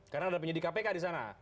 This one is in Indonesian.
karena ada penyidik kpk di sana